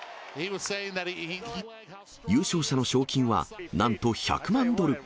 優勝者の賞金は、なんと１００万ドル。